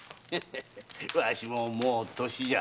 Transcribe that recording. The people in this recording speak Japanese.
わしももう歳じゃ。